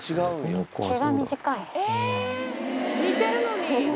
えぇ似てるのに。